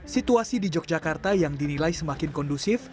situasi di yogyakarta yang dinilai semakin kondusif